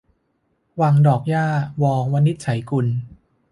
วังดอกหญ้า - ว วินิจฉัยกุล